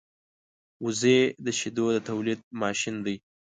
وزې د شیدو د تولېدو ماشین دی